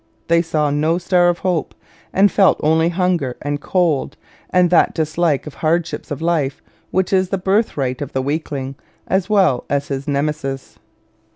They saw no star of hope, and felt only hunger and cold and that dislike of the hardships of life which is the birthright of the weakling, as well as his Nemesis.